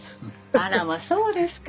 あらまそうですか。